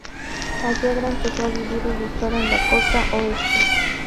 Allegra empezó a vivir y lucha en la costa oeste.